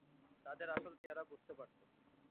তাদের আসল চেহারা বুঝতে পারতো।